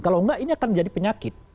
kalau nggak ini akan jadi penyakit